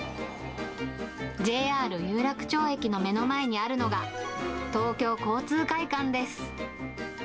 ＪＲ有楽町駅の目の前にあるのが、東京交通会館です。